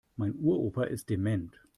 Mein Uropa ist dement.